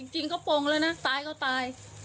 จริงกระโปรงแล้วนะตายก็ตาย